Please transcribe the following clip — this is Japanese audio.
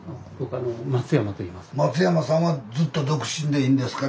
松山さんはずっと独身でいんですか？